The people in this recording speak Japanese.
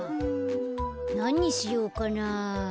なんにしようかな？